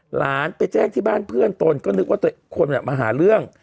หลานไปแจ้งที่บ้านเพื่อนตนก็นึกว่าตัวเองคนมาหาเรื่อง